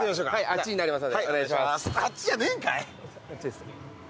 こっちです。